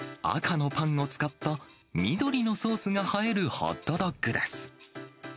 赤のパンを使った緑のソースが映えるホットドッグです。